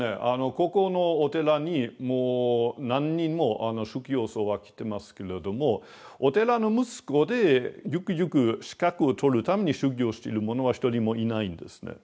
ここのお寺にもう何人も修行僧は来てますけれどもお寺の息子でゆくゆく資格を取るために修行してる者は一人もいないんですね。